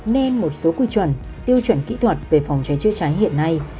nên một số quy chuẩn tiêu chuẩn kỹ thuật về phòng cháy chữa cháy hiện nay